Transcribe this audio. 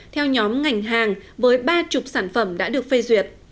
theo nhóm ngành hàng với ba mươi sản phẩm đã được phê duyệt